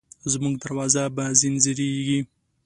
زموږ دروازه به ځینځېرې،